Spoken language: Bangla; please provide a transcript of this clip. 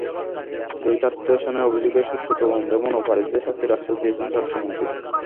দুই ছাত্রী ধর্ষণের অভিযোগের সুষ্ঠু তদন্ত এবং অপরাধীদের শাস্তির আশ্বাস দিয়েছেন স্বরাষ্ট্রমন্ত্রী।